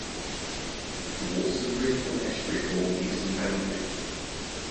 The waters of the Rubicon Estuary form the eastern boundary.